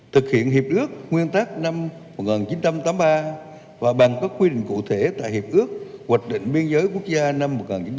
thực hiện hiệp ước nguyên tác năm một nghìn chín trăm tám mươi ba và bằng các quy định cụ thể tại hiệp ước hoạch định biên giới quốc gia năm một nghìn chín trăm tám mươi năm